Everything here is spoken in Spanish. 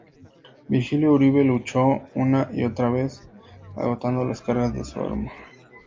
Virgilio Uribe luchó una y otra vez agotando las cargas de su arma.